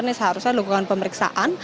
ini seharusnya dilakukan pemeriksaan